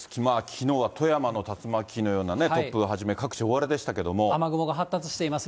きのうは富山の竜巻のような突風はじめ、雨雲が発達しています。